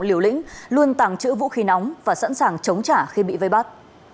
liều lĩnh luôn tàng trữ vũ khí nóng và sẵn sàng chống trả khi bị vây bắt